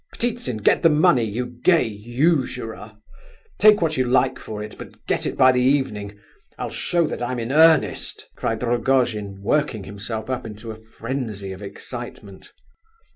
Ptitsin, get the money, you gay usurer! Take what you like for it, but get it by the evening! I'll show that I'm in earnest!" cried Rogojin, working himself up into a frenzy of excitement.